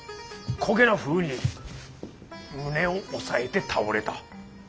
こげなふうに胸を押さえて倒れた。